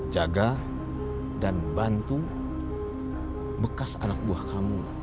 jaga dan bantu bekas anak buah kamu